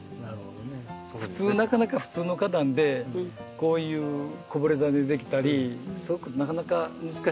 普通なかなか普通の花壇でこういうこぼれ種でできたりすごくなかなか難しくて。